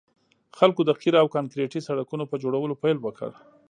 خلکو د قیر او کانکریټي سړکونو په جوړولو پیل وکړ